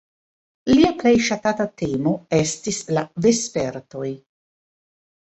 Lia plej ŝatata temo estis la vespertoj.